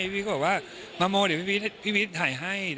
พี่พีชก็บอกว่ามาโมเดี๋ยวพี่พีชถ่ายให้